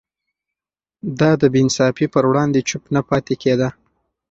ده د بې انصافي پر وړاندې چوپ نه پاتې کېده.